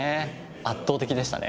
圧倒的でしたね